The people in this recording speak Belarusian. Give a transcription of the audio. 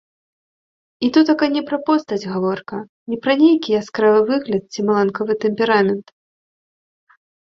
І тутака не пра постаць гаворка, не пра нейкі яскравы выгляд ці маланкавы тэмперамент.